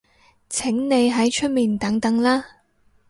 請你喺出面等等啦